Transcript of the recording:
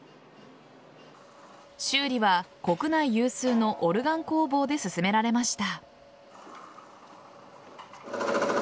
修理は国内有数のオルガン工房で進められました。